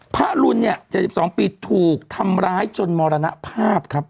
รุนเนี่ย๗๒ปีถูกทำร้ายจนมรณภาพครับ